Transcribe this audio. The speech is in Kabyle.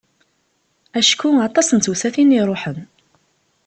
Acku aṭas n tewsatin i iruḥen.